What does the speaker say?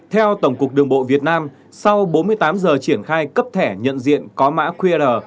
theo tổng cục đường bộ việt nam sau bốn mươi tám giờ triển khai cấp thẻ nhận diện có mã qr